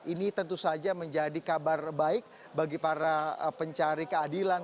ini tentu saja menjadi kabar baik bagi para pencari keadilan